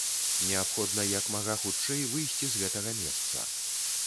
Неабходна як мага хутчэй выйсці з гэтага месца.